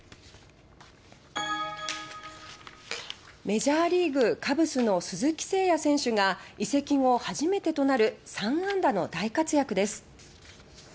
メジャーリーグ・カブスの鈴木誠也選手が移籍後初めてとなる３安打の大活躍です。